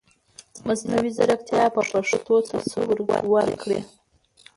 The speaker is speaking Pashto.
مصنوعي ځرکتيا به پښتو ته سه ورکړٸ